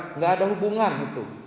enggak ada hubungan gitu